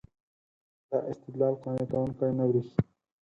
دا استدلال قانع کوونکی نه برېښي.